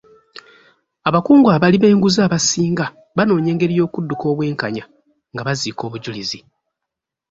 Abakungu abali b'enguzi abasinga banoonya engeri y'okudduka obwenkanya nga baziika obujulizi.